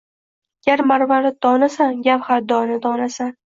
Gar marvarid donasan, gavhar – dona-donasan